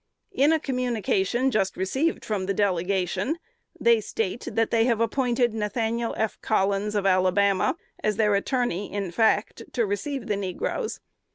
In a communication just received from the Delegation, they state they have appointed Nathaniel F. Collins, of Alabama, their attorney in fact to receive the negroes.